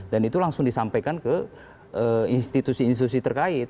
dan itu langsung disampaikan ke institusi institusi tersebut